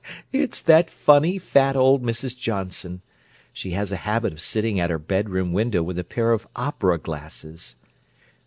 "It's that funny, fat old Mrs. Johnson. She has a habit of sitting at her bedroom window with a pair of opera glasses."